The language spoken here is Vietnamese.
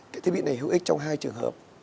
cái thiết bị này hữu ích trong hai trường hợp